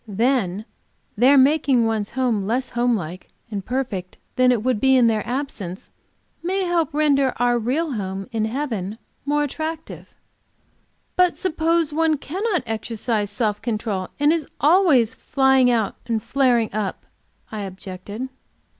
Then, their making one's home less home like and perfect than it would be in their absence, may help to render our real home in heaven more attractive." "But suppose one cannot exercise self control, and is always flying out and flaring up?" I objected.